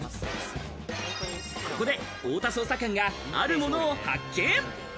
ここで太田捜査官があるものを発見。